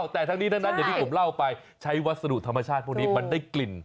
แต่ทั้งนี้ทั้งนั้นอย่างที่ผมเล่าไปใช้วัสดุธรรมชาติพวกนี้มันได้กลิ่น